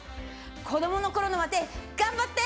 子どものころのワテ、頑張って！